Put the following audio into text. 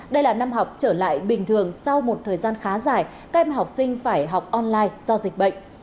đây là năm học trở lại bình thường sau một thời gian khá dài các em học sinh phải học online do dịch bệnh